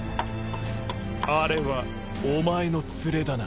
あれはお前の連れだな？